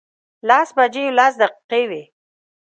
لس بجې لس دقیقې وې.